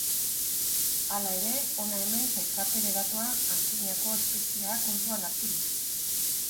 Hala ere, hona hemen sailkapen hedatua antzinako espezieak kontuan harturik.